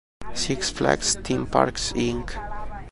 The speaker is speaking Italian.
Six Flags Theme Parks, Inc.